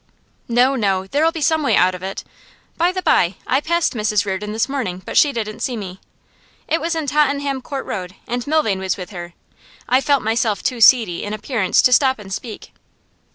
'No, no; there'll be some way out of it. By the bye, I passed Mrs Reardon this morning, but she didn't see me. It was in Tottenham Court Road, and Milvain was with her. I felt myself too seedy in appearance to stop and speak.